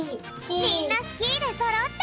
みんなスキーでそろった！